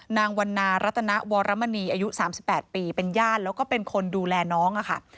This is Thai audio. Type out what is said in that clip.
นางวันนารัตนวรมณีอายุ๓๘ปีเป็นญาติแล้วก็เป็นคนดูแลน้องค่ะ